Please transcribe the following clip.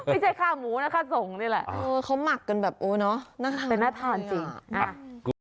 ไม่ใช่ค่าหมูนะค่าส่งด้วยแหละเขามักกันแบบโอ๊ยเนาะเป็นหน้าทานจริง